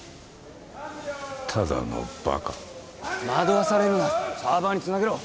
ただのバカ惑わされるなサーバーにつなげろ